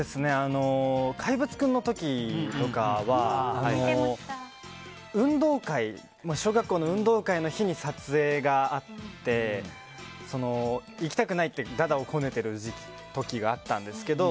「怪物くん」の時とかは小学校の運動会の日に撮影があって行きたくないって駄々をこねてる時があったんですけど